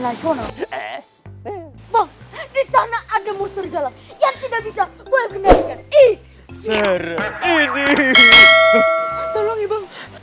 di sana ada musuh yang tidak bisa